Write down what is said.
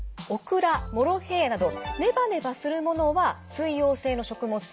オクラモロヘイヤなどネバネバするものは水溶性の食物